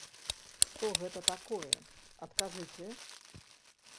Што гэта такое, адкажыце?